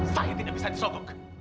saya tidak bisa disokok